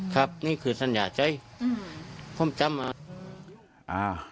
ครับนี่คือสัญญาเงาะช่วงจำ